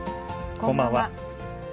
こんばんは。